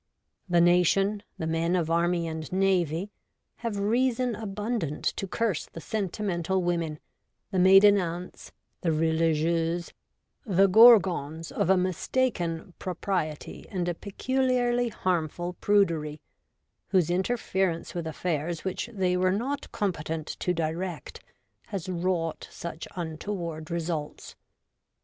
The nation, the men of Army and Navy, have reason abundant to curse the sentimental women, the maiden aunts, the religieuses, the gorgons of a mistaken propriety and a peculiarly harmful prudery, whose interference with affairs which they were not competent to direct has wrought such untoward results.